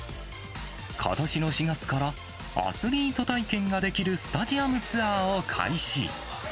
ことしの４月から、アスリート体験ができるスタジアムツアーを開始。